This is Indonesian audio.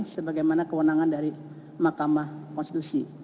sebagai mana kewenangan dari makamah konstitusi